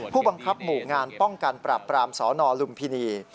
ผู้บังคับหมู่งานป้องกันปราบปรามสนลุมพินี